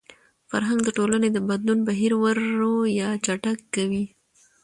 فرهنګ د ټولني د بدلون بهیر ورو يا چټک کوي.